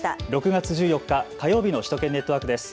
６月１４日火曜日の首都圏ネットワークです。